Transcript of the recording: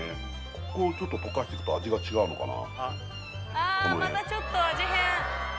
ここをちょっと溶かしてくと味が違うのかな